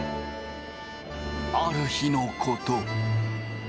ある日のこと。